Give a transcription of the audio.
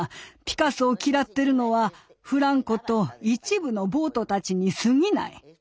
ピカソを嫌ってるのはフランコと一部の暴徒たちにすぎない。